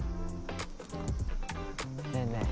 ねえねえ